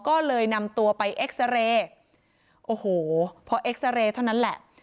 ก็เลยนำตัวไปเอ็กซาเรย์โอ้โหพอเอ็กซาเรย์เท่านั้นแหละ